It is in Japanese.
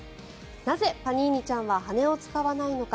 なぜ、パニーニちゃんは羽を使わないのか。